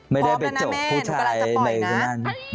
พร้อมนะนะแม่หนูกำลังจะปล่อยนะ